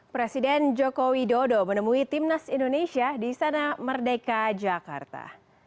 presiden joko widodo menemui timnas indonesia di sana merdeka jakarta